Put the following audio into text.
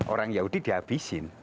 orang yahudi dihabisin